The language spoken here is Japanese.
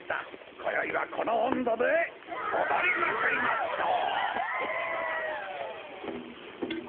こよいはこのおんどでおどりまくりましょう！